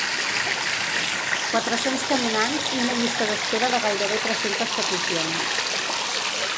Quatre-cents caminants i una llista d’espera de gairebé tres-centes peticions.